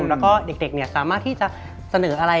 แล้วก็เด็กสามารถที่จะเสนออะไร